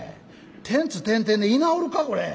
『テンツテンテン』で居直るかこれ。